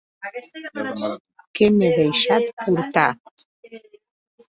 Que m'è deishat portar!